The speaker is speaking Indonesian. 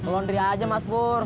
laundry aja mas pur